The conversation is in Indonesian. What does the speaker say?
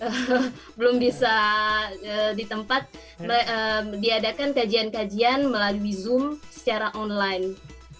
diadakan kajian kajian melalui zoom secara online